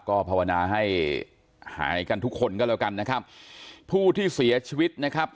ก็ภาวนาให้หายกันทุกคนก็แล้วกันนะครับผู้ที่เสียชีวิตนะครับ